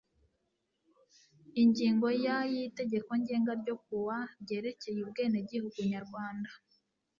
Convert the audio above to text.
Ingingo ya y'itegeko ngenga ryo ku wa ryerekeye ubwenegihugu Nyarwanda